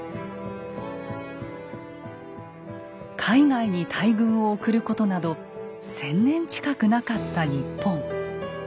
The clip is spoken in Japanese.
海外に大軍を送ることなど１，０００年近くなかった日本。